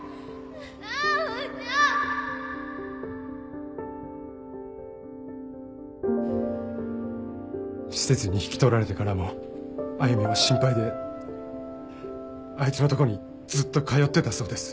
尚ちゃん！施設に引き取られてからも歩美は心配であいつのとこにずっと通ってたそうです。